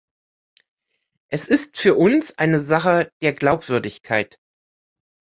Es ist für uns eine Sache der Glaubwürdigkeit.